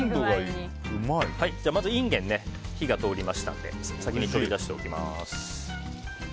まず、インゲンに火が通りましたので先に取り出しておきます。